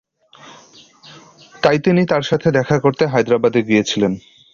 তাই তিনি তাঁর সাথে দেখা করতে হায়দরাবাদে গিয়েছিলেন।